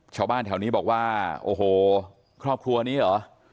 ชาวบ้านแถวนี้บอกว่าโอ้โหครอบครัวนี้เหรอ